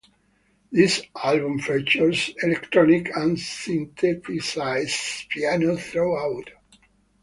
This album features electronic and synthesized piano throughout.